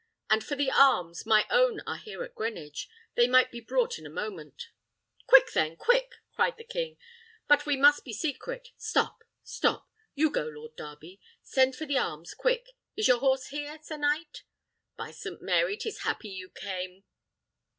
"And for the arms, my own are here in Greenwich. They might be brought in a moment." "Quick, quick, then!" cried the king. "But we must be secret. Stop, stop! You go, Lord Darby. Send for the arms quick. Is your horse here, sir knight? By St. Mary, 'tis happy you came!